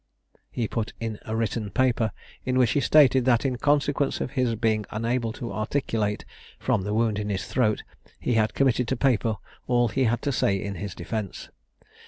He put in a written paper, in which he stated that, in consequence of his being unable to articulate, from the wound in his throat, he had committed to paper all he had to say in his defence.